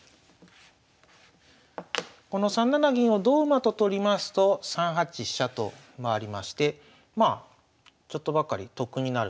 この３七銀を同馬と取りますと３八飛車と回りましてまあちょっとばかり得になる。